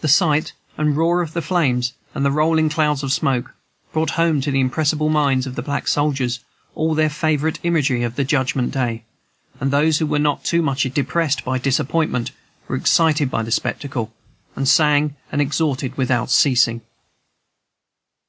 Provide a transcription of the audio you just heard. The sight and roar of the flames, and the rolling clouds of smoke, brought home to the impressible minds of the black soldiers all their favorite imagery of the Judgment Day; and those who were not too much depressed by disappointment were excited by the spectacle, and sang and exhorted without ceasing.